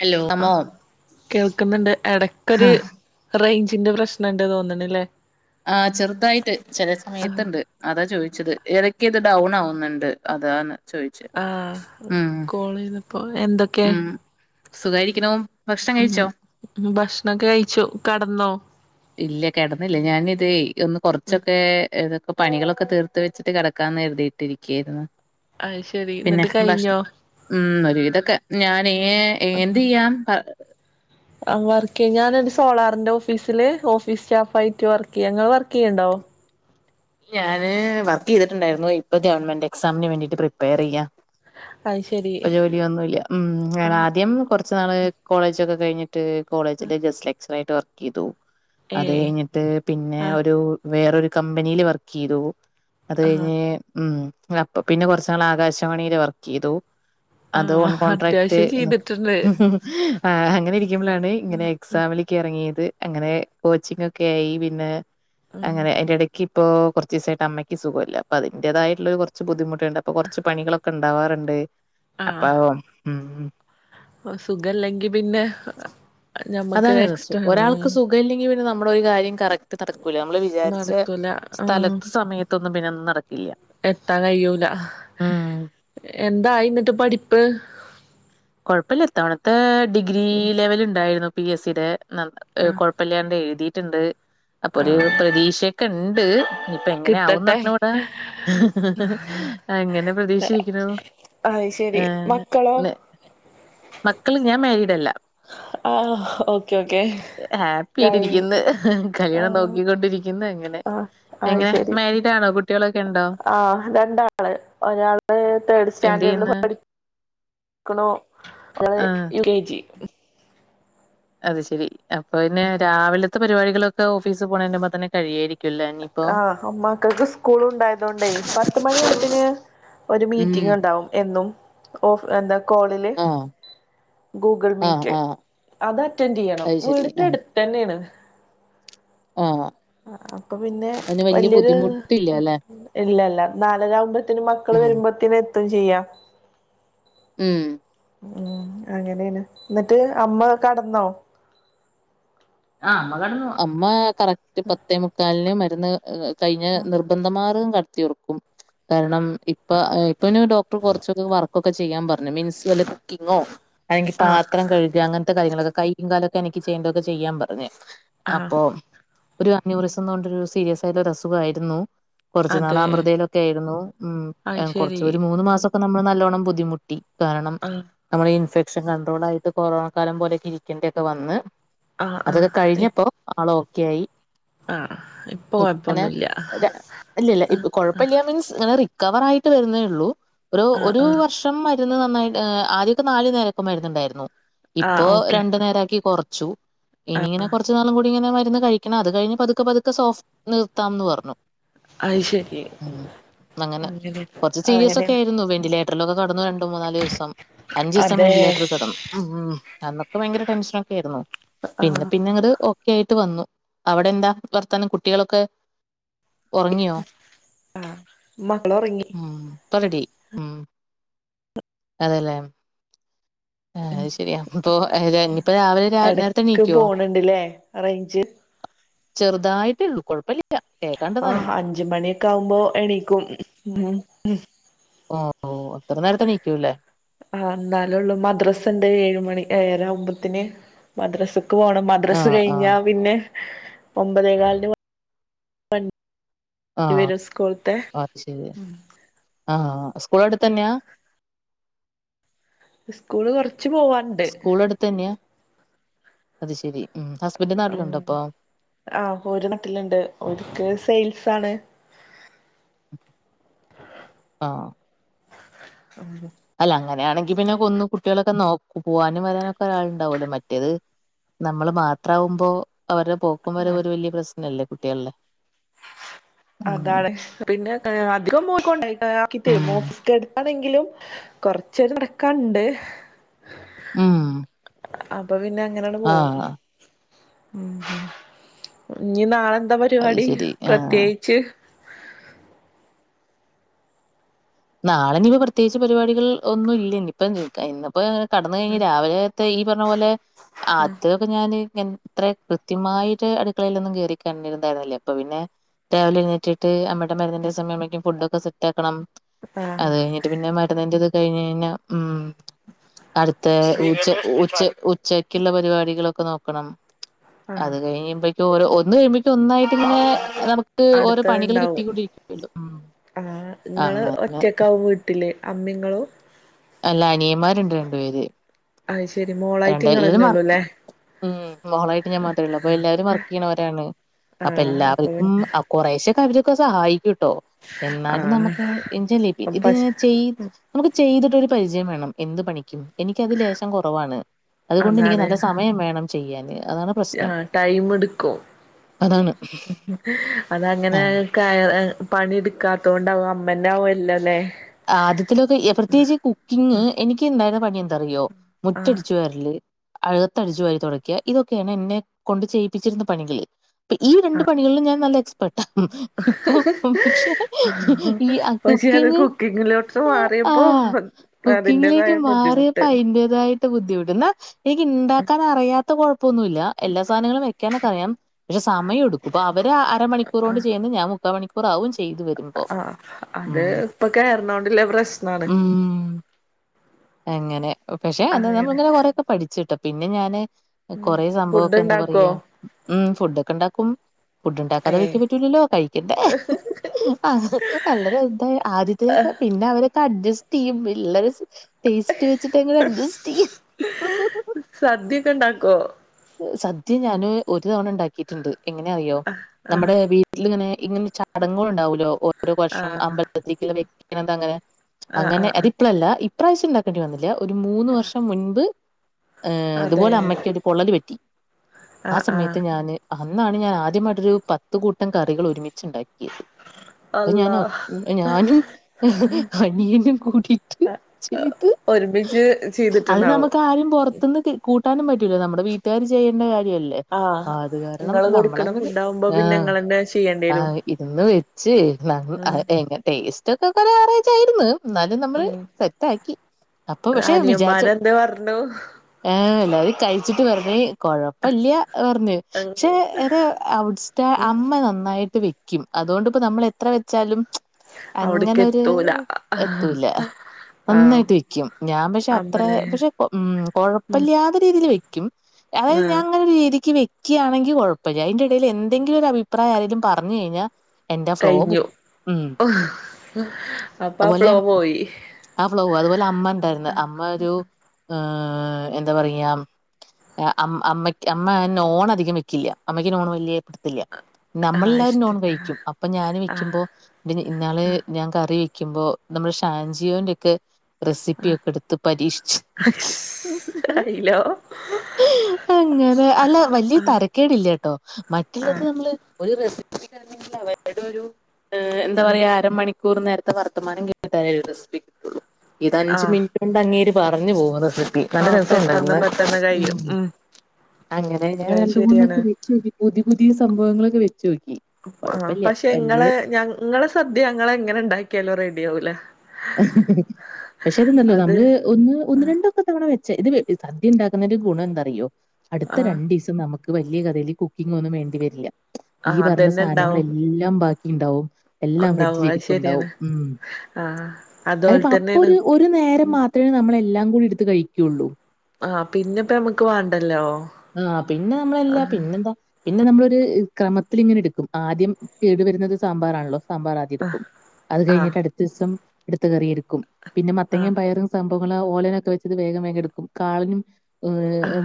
Hello ആ അമോ കേൾക്കുന്നുണ്ട് എടക്കൊരു റേഞ്ചിന്റെ പ്രശ്നുണ്ട് തോന്നണല്ലേ ആ ചെറുതായിട്ട് ചെല സമയത്ത് ആഹ് ഒണ്ട് അതാ ചോദിച്ചത് എടക്ക് ഇത് ഡൗൺ ആവുന്നുണ്ട് അതാണ് ചോദിച്ചെ ആഹ് ഉം കോൾ ചെയ്തപ്പോ എന്തൊക്കെ സുഖാരിക്കുണു ഉംഹ് ഭക്ഷണൊക്കെ കഴിച്ചു കെടന്നോ ഇല്ല കെടന്നില്ല ഞാനിതെ ഒന്ന് ഉം കെറച്ചൊക്കെ ഇതൊക്കെ പണികളൊക്കെ തീർത്ത് വെച്ചിട്ട് കെടക്കാന്ന് കരുതി ഇരിക്കായിരുന്നു അയ് ശരി എന്നിട്ട് കഴിഞ്ഞോ ഉംഹ് ഒരു വിതൊക്കെ ഞാൻ ഏഹ് എന്ത് ചെയ്യാം ആ വർക്ക് ചെയ്യ ഞാനൊരു സോളാറിന്റെ ഓഫീസില് ഓഫീസ് സ്റ്റാഫ് ആയിട്ട് വർക്ക് ചെയ്യാ നിങ്ങള് വർക്ക് ചെയ്യണ്ടോ ഞാനെ വർക്ക് ചെയ്തിട്ടുണ്ടായിരുന്നു ഇപ്പൊ ഗവൺമെന്റ് എക്സാമിന് വേണ്ടിട്ട് പ്രിപ്പയർ ചെയ്യാ അത് ശെരി ഇപ്പം ജോലി ഒന്നുയില്ല്യാ ഉം ഞാൻ ആഹ് ആദ്യം കെറച്ച് നാള് കോളേജൊക്കെ കഴിഞ്ഞി ട്ട് കോളേജിലെ ഗസ്റ്റ് ലക്ചറായി വർക്ക് ചെയ്തു അത് ഏഹ് കഴിഞ്ഞിട്ട് പിന്നെ ആഹ് ഒരു വേറൊരു കമ്പനിയിൽ വർക്ക് ചെയ്തു അത് ആഹ് കഴിഞ്ഞ് ഉംഹ് അപ്പെ പിന്നെ കെറച്ചനാള് ആകാശവാണിയില് വർക്ക് ചെയ്തു അത് ഓൺ ആഹ് കോൺട്രാക്ട് അത്യാവശ്യം ചെയ്തിട്ടുണ്ട് അങ്ങനെ ഇരിക്കുമ്പഴാണ് ഇങ്ങനെ എക്സാമില് ഇക്ക എറങ്ങിയത് അങ്ങനെ കോച്ചിംഗ് ഒക്കെ ആയി പിന്നെ അങ്ങനെ അതിൻ്റെ എടക്ക് ഇപ്പോ കെറച്ച് ദിവസയായിട്ട് അമ്മയ്ക്ക് സുഖയില്ല അപ്പെ അതിന്റെതായിട്ടുള്ള ഒരു കെറച്ച് ബുദ്ധിമുട്ട് ഉണ്ട് അപ്പോ കെറച്ച് പണികളൊക്കെ ഉണ്ട് ആവാറിണ്ടേ അപ്പ ഉം സുഖയില്ലെങ്കി പിന്നെ ഞമ്മക്ക് എക്സ്ട്രാ വേണം ഇത് ഇല്ലെങ്കി പിന്നെ നമ്മുടെ ഒരു കാര്യം കറട് ഇത് നടക്കൂല നമ്മള് വിചാരിച്ച നടക്കൂല ആഹ് സ്ഥലത്ത് സമയത്തൊന്നും പിന്നെ ഒന്നും നടക്കില്ല എത്താൻ കഴിയൂല ഉം എന്തായി എന്നിട്ട് പഠിപ്പ് കൊഴപ്പയില്ല ഈ. തവണത്തെ ഡിഗ്രി ലെവൽ ഇണ്ടായിരുന്നു പി എസ് സി ടെ ആ കൊഴ കൊഴപ്പല്യാണ്ട് എഴുതിയിട്ടുണ്ട് അപ്പൊ ഒരു ആഹ് പ്രതീക്ഷയക്കെയിണ്ട് ഇപ്പെ എങ്ങനെ ആവുന്ന് കിട്ടട്ടെ അറിഞ്ഞുകൂടാ അങ്ങനെ പ്രതീക്ഷിച്ചിരിക്കുന്നു അത് ശരി ഏഹ് മക്കളോ ന- മക്കള് ഞാൻ മരീഡ് അല്ല ആ ഓക്കെ ഓക്കെ ഹാപ്പി ആയിട്ടിരിക്കുന്നു കഴിഞ്ഞ് ആ കല്യാണം നോക്കിക്കൊണ്ടിരി ഇരിക്കുന്നു അങ്ങനെ ആ എങ്ങനെ മാരീഡ് ആണോ കു ആഹ് രണ്ടാള് ഒരാള് തേർഡ് എന്ത് സ്റ്റാൻഡേർഡില് ചെയ്യുന്നു പഠി ക്കുണു ഒരാള് ആഹ് യു കെ ജി അത് ശരി അപ്പൊ പിന്നെ രാവിലെത്തെ പരിപാടികളൊക്കെ ഓഫീസ് പോണേ മുമ്പേ തന്നെ കഴിയായിരി ആഹ് മക്കൾക്ക് സ്കൂൾ ഉണ്ടായതുകൊണ്ടേ പത്ത് മണി ആവുമ്പത്തേന് ഒരു ഉം മീറ്റിംഗ് ഒണ്ടാവും എന്നും ഓഫ് എന്താ കോളില് ആഹ് ഗൂഗിൾ ആഹ് മീറ്റ് ആഹ് അത് അറ്റൻഡ് ചെയ്യണം അത് ശരി വീടിന്റെ ആഹ് അടി തന്നെയാണ് ആഹ് അപ്പെ പിന്നെ അതിന് വല്യ വല്യായെരു ബുദ്ധിമുട്ടില്ല അല്ലെ ഇല്ലല്ല നാലരവുമ്പത്തേനും മക്കള് ഉം വരുമ്പത്തേന് എത്തും ചെയ്യാം ഉം ഉം അങ്ങനേണ്. ഇന്നട്ട് അമ്മ കട്ന്നോ? ആഹ് അമ്മ കെട്ന്നു. അമ്മ കറക്റ്റ് പത്തേ മുക്കാലിന് മരുന്ന് കഴിഞ്ഞ് നിർ ബന്ധമാറും കട്ത്തി ഒർക്കും. കാരണം ഇപ്പ ഇപ്പ പിന്നെ ഡോക്ടർ കൊറച്ചൊക്കെ വർക്കൊക്കെ ചെയ്യാൻ പറഞ്ഞു. മീൻസ് വല്ല കുക്കിംഗോ അല്ലെങ്കി ആഹ് പാത്രം കഴുക അങ്ങൻത്തെ കാര്യങ്ങളൊക്കെ കൈയും കാലൊക്കെ അനക്കി ചെയ്യണ്ടതൊക്കെ ചെയ്യാൻ പറഞ്ഞു. ആഹ് അപ്പൊം ഒരു അന്യൂറിസം ന്ന് പറഞ്ഞിട്ടൊരു സീരിയസ് ആയിട്ടുള്ള ഒരു അസുഖായിരുന്നു. കൊറച്ചു നാള് അതെ അമൃതയിലൊക്കെ ഏയിരുന്നു. ഉം അത് എൺ ശരി കുറച്ച് ഒരു മൂന്ന് മാസം ഒക്കെ നമ്മള് നല്ലോണം ബുദ്ധിമുട്ടി. കാരണം ആഹ് നമ്മൾ ഇൻഫെക്ഷൻ കൺണ്ട്രോൾ ആയിട്ട് കൊറോണ കാലം പോലെ എക്കെ ഇരിക്കേണ്ട്യൊക്കെ വന്ന്. ആഹ് ആഹ് അതൊക്കെ ഇപ് കഴിഞ്ഞപ്പോ ആള് ഓക്കെ ആയി. ആഹ് ഇപ്പൊ ഇപ്പന് കൊഴപ്പൊന്നുല്ല ര ഇല്ലല്ല്യ. ഇപ്പ കൊഴപ്പല്ല്യ മീൻസ് ഇങ്ങനെ റിക്കവർ ആയിട്ട് വരുന്നേ ഉള്ളൂ. ഒരു ആഹ് ഒരു ആഹ് വർ ഷം മരുന്ന് നന്നായിട്ട് ഏഹ് ആദ്യം ഒക്കെ നാല് നേരൊക്കെ മരുന്നുണ്ടായിരുന്നു. ആഹ് ഇപ്പോ ഓക്കെ രണ്ടു നേരാക്കി കൊർ ച്ചു. ഇനിയിങ്ങനെ കുറച്ച നാളും കൂടി ഇങ്ങനെ മരുന്ന് കഴിക്കണം. അത് കഴിഞ്ഞ് പതുക്കെ പതുക്കെ സോഫ് നിർത്താം ന്ന് പറഞ്ഞു. അത് ശരി ഉം അങ്ങനെ. കൊറച്ച് സീരിയസ് ഒക്കെ ആയിരുന്നു. വെന്റിലേ റ്റർലൊക്കെ കട്ന്നു രണ്ട് മൂന്നാലുവസം. അഞ്ചീസം അതെ വെന്റിലേറ്റർ കെടന്ന്. ഉം ഉം അന്നൊക്കെ ഭയങ്കര ടെൻഷനൊക്കേര്ന്നു. പിന്നെ ആഹ് പിന്നെ ഇങ്ങട് ഓക്കെ ആയിട്ട് വന്നു. അവിടെ എന്താ വർത്താനം കുട്ടികളൊക്കെ? ഉറങ്ങിയോ ആഹ് മകള് ഒറങ്ങി. ഉം ഇപ്പ റെഡിയായി ഉം അതെല്ലേ. ഏഹ് അത് ശെരി അപ്പൊ അരാ ഞ്പ്പൊ രാവിലെ രാ എടക്ക് നേരത്തെണീക്ക്യോ? പോണുണ്ട്ല്ലേ റേഞ്ച് ചെറുതായിട്ടേള്ളൂ കൊഴപ്പല്യ. ആഹ് അഞ്ച് മണിയൊക്കാവുമ്പൊ എണീക്കും. ഉം ഉം. ഓഹ് അത്ര നേരത്തെ എണീക്ക്യൂല്ലേ. ആഹ്. ഇന്നാലൊള്ളൂ മദ്രസ് ണ്ട് ഏഴ് മണി ഏഴരാവുമ്പോത്തിന്. മദ്രസക്ക് പോണം. മ ദ്രസ് ആഹ് ആഹ് കഴിഞ്ഞാ പിന്നെ ഒമ്പതേകാലിന് വണ്ടി ആഹ് വരും സ്കൂൾത്തെ. ഉം. ആഹ്ആഹ്. സ്കൂള് അടുത്തന്ന്യാ? സ്കൂള് കൊർച്ച് പോവാൻണ്ട്. ളട്ത്തെന്ന്യാ. അത് ശരി ഉം. ഹസ്ബൻഡ് നാട്ടിലുണ്ടോ ഉം അപ്പം? ആഹ്. ഓര് നാട്ടില്ണ്ട് ഓര്ക്ക് സെയിൽസ് ആണ്. ആഹ്. ആഹ്. അല്ല അങ്ങനെയാണെങ്കി പിന്നെ കൊന്ന് കുട്ട്യേളെക്കെ നോക് പോവാനും വരാനൊക്കെ ഒരാളുണ്ടാവൊല്ലോ. മറ്റേത് നമ്മള് മാത്രാവുമ്പോ അവര്ടെ പോക്കും വരവൊരു വല്യ പ്രസ്നല്ലേ കുട്ട്യേൾടെ. അതാണ്. പിന്നെ ക്ക അധികം ഉം [unintelligible] ആണെങ്കിലും കൊറച്ചൊര് നടക്കാൻണ്ട്. ഉം അപ്പൊ പിന്നെ അങ്ങനാണ് പോവും. ആഹ് ഇഞ്ഞ് നാളെന്താ അത് പരിപാടി ശരി. ആഹ്. പ്രത്യേകിച്ച്? നാളെ ഇനി പ്പ പ്രത്യേകിച്ച് പരിപാടികൾ ഒന്നും ഇല്ല. ഇനിപ്പം ഇന്ന് പ്പം കടന്ന് കഴിഞ്ഞ് രാവിലെ ത്തെ ഈ പറഞ്ഞ പോലെ അത് പ്പം ഞാന് ങ്ങെൻ ഇത്രേ കൃത്യമായിട്ട് അടുക്കളയിലൊന്നും കേറി കണ്ടിരുണ്ടായിരുന്നില്ലാ അപ്പം പിന്നെ. രാവിലെ എഴുന്നേറ്റിട്ട് അമ്മേടെ മരുന്നിന്റെ സമയം വെക്കും ഫുഡൊക്കെ സെറ്റ് ആക്കണം. ആഹ് അത് കഴിഞ്ഞിട്ട് പിന്നെ മരുന്നിന്റെത് കഴിഞഴിഞ്ഞാ, ഉം. അട്ത്തെ ഉച്ച ഉച്ച ഉച്ചക്ക്ള്ള പരിപാടികളൊക്ക നോക്കണം ആഹ് അത് കഴിയ്‌മ്പക്കും ഓരോ ഒന്ന് കഴിയുമ്പക്കും ഒന്നായിട്ട് ഇങ്ങനെ നമു ക്ക് ഓരോ പണികള് അടുത്തത്ണ്ടാവും കിട്ടിക്കൊണ്ടിരിക്കള്ളൂ ഉം അങ്ങ ഒറ്റക്ക് ആവോ വീട്ടില് അമ്മി ഇങ്ങളോ അല്ല അനിയന്മാര്ണ്ട് രണ്ട് പേര് അയ്‌ ശരി മോളായിട്ട് ഇങ്ങന്നെ ഒള്ളു ലെ ഉം മോളായിട്ട് ഞാൻ മാത്രേ ഒള്ളൂ അപ്പൊ എല്ലാരും വർക്ക് ചെയ്യ്ണവരാണ് അപ്പ ആഹ് അപ്പൊ എല്ലാവർക്കും പിന്നെ കോറേശെക്കെ അവരൊക്കെ സഹായിക്കുട്ടോ എന്നാലും ആഹ് നമുക്ക് [unintelligible] ഇത് പശ് ചെയ് നമുക്ക് ചെയ്ത്ട്ടരു പരിജയം വേണം എന്ത് പണിക്കും എനിക്ക് അത് ലേശം കോറവാണ് അതുകൊണ്ട് എനിക്ക് നല്ല സമയം വേണം ചെയ്യാന് അതാണ് ആ പ്രശ്നം ടൈമ് ഇട്ക്കും അതാണ് അതങ്ങനെ ആ പണി ഇട്ക്കാത്തത് കൊണ്ടാവും അമ്മൻ്റെ ആവോല്ല ലെ ആദ്യത്തിലൊക്കെ പ്രത്യേകിച്ച് കുക്കിങ് എനിക്ക് ഇണ്ടായിര്ന്ന പണി അൻക് അറിയോ ആഹ് മുറ്റടിച്ചു വാര്ല് അകത്ത് അടിച്ചു വാരി തൊടക്യ ഇതൊക്കെണ് എന്നെ കൊണ്ട് ചെയ്യിപ്പിച്ചിരുന്ന പണികിള് അപ്പ ഈ രണ്ട് പണികളും ഞാൻ നല്ല എക്സ് പെട്ട ഇപ്പൊ പക്ഷെ ഈ അ കുക്കിംഗ് കുക്കിങ്ങ്ലോട്ട് ആ മാറിയപ്പോ അതിന്റേതായ ബുദ്ധിമുട്ട് അതിന്റേതായിട്ട ബുദ്ധിമുട്ട് ന്നാ ഇൻക്ക് ഇണ്ടാക്കാൻ അറിയാത്ത കൊഴപ്പൊന്നുല്ല എല്ലാ സാനങ്ങളും വെക്കാനൊക്കറിയാം പക്ഷേ സമയടുക്കും ഇപ്പം അവരെ അരമണിക്കൂറോണ്ട് ചെയ്യുന്നെ ഞാൻ മു മുക്കാ മണിക്കൂറ ആവും ചെയ്ത് വെര്മ്പോ ഉം ഇപ്പ കെറ്ണോണ്ട്ല്ല പ്രശ് ഉം അങ്ങനെ പക്ഷെ അന്ന് നമ്മള് അങ്ങനെ ഇങ്ങനെ കൊറെക്കെ പഠിച്ച്ട്ടാ പിന്നെ ഞാന് കൊറേ സംഭവൊക്ക ഫുഡ് എന്താ ഉണ്ടാക്കോ പറയാ ഉം ഫുഡൊക്ക ഇണ്ടാക്കും ഫുഡ് ഇണ്ടാക്കാതെ വൈക്ക പറ്റൂലല്ലോ കഴിക്കണ്ടെ ആ നല്ലതെന്തായ് ആദ്യത്തീനൊക്കെ പിന്നെ അവരൊക്കെ അഡ്ജസ്റ്റെയ്യും ഇള്ള ഒരു ടേസ് റ്റ് വെച്ചിട്ട്ങ്ങനെ അഡ്ജസ്റ്റെയ്യും സദ്യൊക്കെ ഉണ്ടാക്കോ സദ്യ ഞാന് ഒരു തവണ ഇണ്ടാക്കീട്ട്ണ്ട് എങ്ങനെ അറിയോ ആഹ് നമ്മടെ വീ ട്ട്ല് ഇങ്ങനെ ഇങ്ങനെ ചടങ്ങേള് ഉണ്ടാവുലോ ഓരോ വർഷം ആഹ് അമ്പൽത്തേക്ക്ള്ള അങ്ങനെ ആഹ് അങ്ങനെ ആഹ് ആഹ് അതിപ്പളല്ല ഇപ്രാവശ്യം ഇണ്ടാക്കേണ്ടി വന്നില്ല ഒര് മൂന്ന് വർഷം മുൻമ്പ് അതെ ഇതുപോലെ അമ്മക്ക് ഒര് പൊള്ളല് പറ്റി ആ ആഹ് ആഹ് സമയത്ത് ഞാന് അന്നാണ് ഞാന് ആദ്യമായിട്ടൊരു പത്ത് കൂട്ടം കറികള് ഒരുമിച്ച്ണ്ടാക്കിയത് ഇത് ഞാന് അള്ളാ ഒ ഞാനും അനിയനും കൂടിട്ട് ചെയ്ത് ഒരുമിച്ച് അത് ചെയ്തിട്ടുണ്ടാവും നമ്മക്ക് ആരിം പൊർത്ത്ന്ന് കൂട്ടാനും പറ്റൂല നമ്മടെ വീട്ടാര് ചെയ്യെണ്ട കാര്യല്ലേ ആഹ് അത് കാരണം ഇങ്ങള് കൊടുക്കണ നമ്മളങ്ങട് ഫുഡ് ആവുമ്പോ ആ പിന്നെ ഇങ്ങളന്നെ ചെയ്യേണ്ടി ആ വരും ഇതന്ന് വെ ച്ച് ഉം എങ്ങ ടേസ്റ്റൊക്കെ കൊറേ ആവേറേജായിര്ന്ന് ഇന്നാലും നമ്മള് ഉം സെറ്റാക്കി അപ്പൊ പക്ഷെ വിചാര്ച്ച അനിയന്മാരെന്ത് പറഞ്ഞു ആ എല്ലാരും കഴിച്ചിട്ട് പർഞ്ഞ് കൊഴപ്പല്ല്യാ പർഞ്ഞ് പക്ഷെ അത് ഔട്സ്റ്റാ അമ്മ നന്നായിട്ട് വെ ക്ക്യും അത് കോണ്ട്പ്പ നമ്മള് എത്ര വെച്ചാലും അവിടക്ക് അങ്ങനൊര് എത്തൂല എത്തൂല ആഹ് നന്നായിട്ട് വെക്ക്യും ഞാൻ പക്ഷെ അത്രേ അമ്പലേ പക്ഷെ ഉം ഉം കൊഴപ്പല്ലാത രീതിയില് വെക്ക്യും അത് ആഹ് ഞാങ്ങനെ ഒര് രീതിക്ക് വെ ക്ക്യാണെങ്കി കൊഴപ്പല്ല അയിന്റെ എടേല് എന്തെങ്കിലും ഒര അഭിപ്രായം ആരേലും പർഞ്ഞ് കഴിഞ്ഞാ എന്റെ ഫ്ലോ പോവും ഉം അപ് അതുപോലെ ആ ഫ്ലോ പോവും അത്പോലെ അമ്മ ഇണ്ടായിര്ന്നു അമ്മ ഒരു ഏഹ് എന്ത പറയാ അമ്മ അമ്മയ്ക്ക് അമ്മ നോണ് അധികം വെക്കില്ല അമ്മയ്ക്ക് നോണ് വല്യാ പിട്ത്തില്ല്യാ ആഹ് നമ്മളെല്ലാരും നോൺ ഇഷ്ടല്ല കഴിക്കും അപ്പൊ ഞാന് ആഹ് വെക്കുമ്പോ ഇ ഇന്നാള് ഞാൻ കറി വെക്കുമ്പോ നമ്മെ ഷാൻജിയോന്റൊക്കെ റെസിപ്പിയൊക്കെ ഇട്ത്ത് പരീക്ഷിച്ച് നോക്കി ഐലോ അങ്ങനെ അല്ല വല്യ തരക്കേടില്ലട്ടോ മറ്റ്ള്ളത് ആഹ് നമ്മള് ഒരു റെസിപ്പി കാണാണെങ്കി അതായത് ഒരു എന്ത ആഹ് പറയാ അരമണി ക്കൂറ് നേര്ത്തെ വർത്തമാനം കേട്ടിട്ടെ റെസ്പ്പി കിട്ടൊള്ളൂ ഇത് അഞ്ച് ആഹ് മിനി റ്റോണ്ട് അങ്ങേര് പറഞ്ഞു പോവും റെസ്പ്പി നല്ല ആഹ് പെട്ടെന്ന് രസണ്ടായ്ന്നു പെട്ടെന്ന് കഴിയും ഉം അങ്ങനെ ഞാൻ അത് രണ്ട് ശരിയാണ് മൂന്നൊക്കെ വെച്ചോക്കി പുതി പുതി സംഭവങ്ങളൊക്കെ വെച്ചോക്കി ആഹ് പക്ഷെ ഇങ്ങളെ ഞ ഇങ്ങളെ സദ്യ ഞങ്ങളെങ്ങനെ ഇണ്ടാക്ക്യാലും റെഡി ആവൂല പക്ഷെ അത്ണ്ടല്ലോ അത് നമ്മള് ഒന്ന് ഒന്ന് രണ്ട് തവണ വെച്ച് ഇത് സദ്യ ഇണ്ടാക്കുന്നെന്റെ ഗുണം എന്താറിയോ അടുത്ത ആഹ് രണ്ടീസ ത്തിന് നമുക്ക് വല്യ കഥേല് ഈ കുക്കിങ്ങൊന്നും വേണ്ടി വെരില്ല ഈ ആഹ് പർഞ്ഞ അതന്നെ സാധനങ്ങള് ഇണ്ടാവും എല് ല്ലാം ബാക്കി ഇണ്ടാവും എല്ലാം ഉണ്ടാവും ഫ്രിഡ്ജില് അത് ഇരിപ്പ്ണ്ടാവും ശരിയാണ് ഉം ആഹ് അതുപോലെ തന്നെയാണ് അപ്പൊരു ഒരു നേരം മാത്രേ നമ്മളെല്ലാം കൂടി എടുത്ത് കഴിക്കൊള്ളൂ ആഹ് പിന്നെപ്പ നമുക്ക് വാണ്ടല്ലോ ആഹ് പിന്നെ നമ്മളല്ലാ പിന്നെന്താ പിന്നെ നമ്മളൊരു ക്രമത്തിൽ ഇങ്ങനെ എടുക്കും ആദ്യം കേടു വരുന്നത് സാമ്പാറാണല്ലോ സാമ്പാർ ആദ്യം എടുക്കും അത് ആഹ് കഴിഞ്ഞിട്ട് അടുത്ത ദിവസം അടുത്ത കറി എടുക്കും പിന്നെ മത്തങ്ങ ആഹ് പയറും സംഭവങ്ങള ഓലനൊക്കെ വെച്ചത് വേഗം വേഗം എടുക്കും കാളനും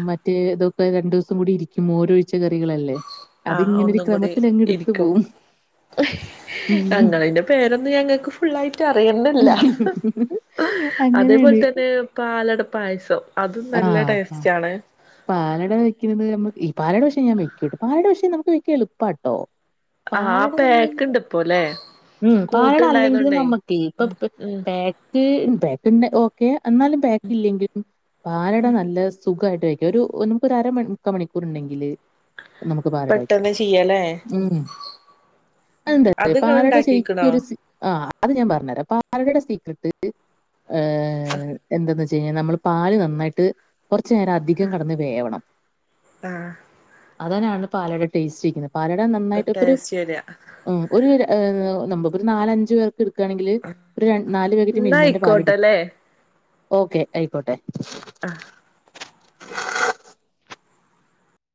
മറ്റേതൊ ക്കെ രണ്ടു ദിവസം കൂടി ഇരിക്കും മോരൊഴിച്ച കറികളല്ലേ ആഹ് അതിങ്ങനൊരു ഒന്നും കൂടി ക്രമത്തിലങ്ങ് എടുത്തു ഇരിക്കും പോവും. ഞങ്ങളതിന്റെ പേരൊന്നും ഞങ്ങക്ക് ഫുള്ളായിട്ട് അറിയണ്ടല്ല അതേപോലെ അങ്ങനെയാണ്. തന്നെ പാലട പായസം അതും ആ നല്ല പ ടേസ്റ്റ് ആണ് പാലട വെക്കുന്നത് നമ്മ പാലട പക്ഷേ ഞാൻ വെക്കും പാലടവെയ്ക്കാൻ പക്ഷേ എളുപ്പാട്ടോ ആഹ് പാലട നമ്മള് പായ്ക്ക് ണ്ട് ഇപ്പോല്ലെ ഉം പാലട അല്ലെങ്കിലും നമ്മുക്കേ ഇപ്പൊ ഉം പായ് ക്ക് ഉം പായ്ക്ക് ഓക്കെ എന്നാലും പായ്ക്ക് ഇല്ലെങ്കിലും പാലട നല്ലസുഖയിട്ട് വെ ഒരു നമുക്കൊരു അര മുക്കാ മണിക്കൂർ ഉണ്ടെങ്കില് നമുക്ക് പാലട വക്കാം പെട്ടെന്ന് ചെയ്യല്ലേ ഉം അതെന്താ അറിയോ അത് ഇങ്ങള് പാലട ഇണ്ടാക്കിക്കണോ ശരിക്കൊരു സി ആഹ് അത് ഞാൻ പറഞ്ഞരാ പാലടയുടെ സീക്രട്ട് ഏ എന്താന്ന് വെച്ച് കഴിഞ്ഞാൽ നമ്മള് പാല് നന്നായിട്ട് കുറച്ചു നേരം അധികം കെടന്ന് വേവണം ആഹ് അതനാണ് പാലട ടേസ്റ്റ് വക്കുന്നത് പാലട നന്നായിട്ട് ഇപ്പൊ ഒരു ടേസ്റ്റ് വരിക ഉം ഒരു നമ്മുക്ക് ഒരു നാലഞ്ചു പേർക്ക് എടു ക്കണെങ്കിൽ ഒരു നാല് പാക്കറ്റ് എന്നാ മിൽമേന്റെ പാലെടു ആയിക്കോട്ടല്ലേ ഓക്കെ ആയിക്കോട്ടെ ആഹ്